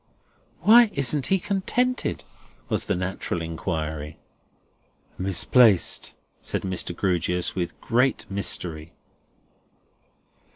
"Why isn't he contented?" was the natural inquiry. "Misplaced," said Mr. Grewgious, with great mystery.